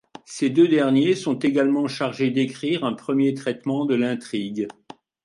Ces deux derniers sont également chargés d'écrire un premier traitement de l'intrigue.